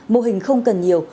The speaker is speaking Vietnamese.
mô hình không cần nhiều